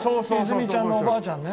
泉ちゃんのおばあちゃんね。